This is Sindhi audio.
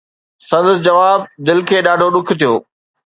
سندس جواب دل کي ڏاڍو ڏک ٿيو